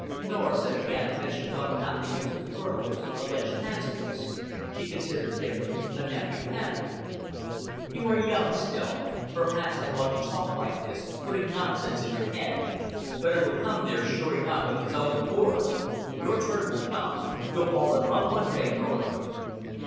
Norah said again that she thought nothing of Mr. Furnival's alleged handsomeness. She considered him a namby pamby. "You are young still. Perhaps I oughtn't to talk like this putting nonsense in your head. But it'll come there sure enough of its own accord. Your turn will come. You'll fall in love one day, Norah."